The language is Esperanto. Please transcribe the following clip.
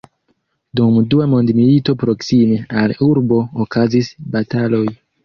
Dum Dua mondmilito proksime al urbo okazis bataloj.